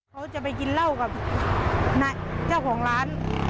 เขาจะไปกินเหล้ากับเจ้าของร้าน